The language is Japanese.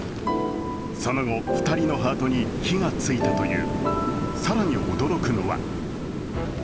その後、２人のハートに火がついたという。